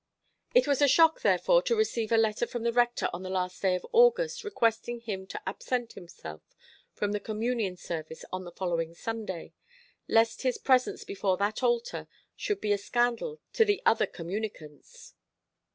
It was a shock, therefore, to receive a letter from the Rector on the last day of August, requesting him to absent himself from the communion service on the following Sunday, lest his presence before that altar should be a scandal to the other communicants.